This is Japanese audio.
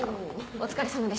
お疲れさまでした。